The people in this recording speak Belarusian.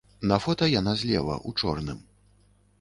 На фота яна злева, у чорным.